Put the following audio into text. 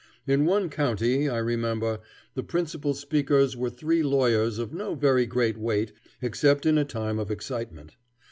In one county, I remember, the principal speakers were three lawyers of no very great weight except in a time of excitement.